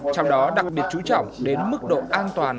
trong đó đặc biệt chú trọng đến mức độ an toàn